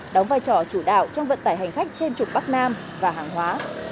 đóng vai trò chủ đạo trong vận tải hành khách trên trục bắc nam và hàng hóa